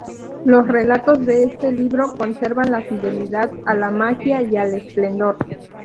Los relatos de este libro conservan la fidelidad a la magia y al esplendor.